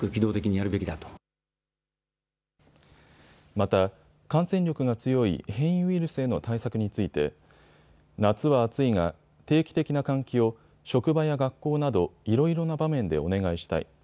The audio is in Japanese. また、感染力が強い変異ウイルスへの対策について夏は暑いが定期的な換気を職場や学校などいろいろな場面でお願いしたい。